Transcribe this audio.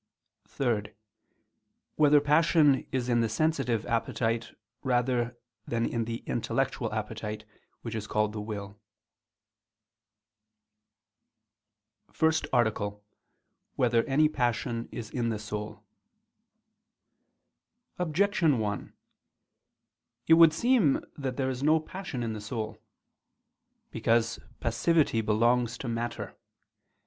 (3) Whether passion is in the sensitive appetite rather than in the intellectual appetite, which is called the will? ________________________ FIRST ARTICLE [I II, Q. 22, Art. 1] Whether Any Passion Is in the Soul? Objection 1: It would seem that there is no passion in the soul. Because passivity belongs to matter.